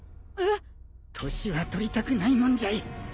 えっ？年は取りたくないもんじゃい。